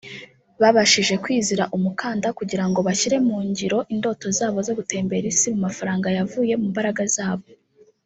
Babashije kwizira umukanda kugirango bashyire mu ngiro indoto zabo zo gutembera isi mu mafaranga yavuye mu mbaraga zabo